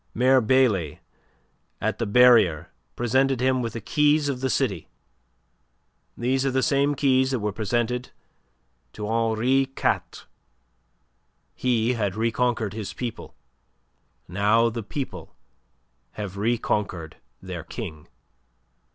Mayor Bailly at the barrier presented him with the keys of the city. "These are the same keys that were presented to Henri IV. He had reconquered his people. Now the people have reconquered their King."